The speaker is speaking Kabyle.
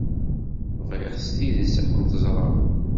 Bɣiɣ s tidet ad kent-ẓreɣ.